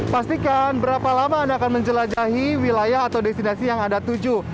pastikan berapa lama anda akan menjelajahi wilayah atau destinasi yang anda tuju